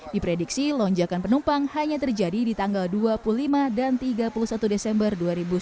diprediksi lonjakan penumpang hanya terjadi di tanggal dua puluh lima dan tiga puluh satu desember dua ribu sembilan belas